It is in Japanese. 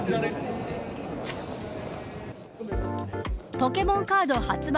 ポケモンカード発売